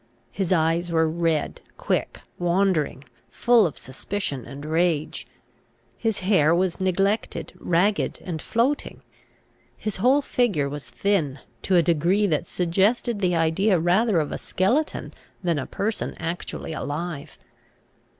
His eyes were red, quick, wandering, full of suspicion and rage. His hair was neglected, ragged, and floating. His whole figure was thin, to a degree that suggested the idea rather of a skeleton than a person actually alive.